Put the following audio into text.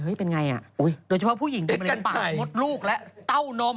เฮ้ยเป็นไงอ่ะโดยเฉพาะผู้หญิงที่มะเร็งปากหมดลูกและเต้านม